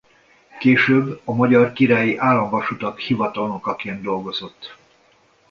Később a Magyar Királyi Államvasutak hivatalnokaként dolgozott.